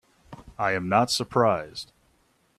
I am not surprised.